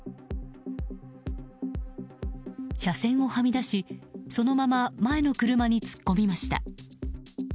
車線をはみ出し、そのまま前の車に突っ込みました。